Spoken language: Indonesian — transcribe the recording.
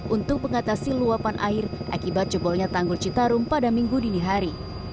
untuk pengatasi luapan air akibat jebolnya tanggul citarum pada minggu dinihari